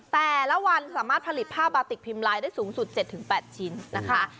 แต่ละวันสามารถผลิตผ้าบาติกพิมพ์ไลน์ได้สูงสุด๗๘ชิ้นนะคะ